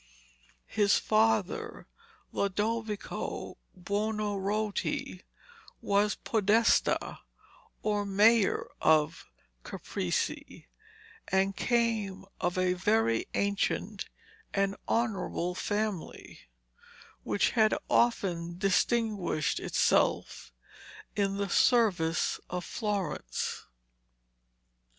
His father, Lodovico Buonarroti, was podesta or mayor of Caprese, and came of a very ancient and honourable family, which had often distinguished itself in the service of Florence.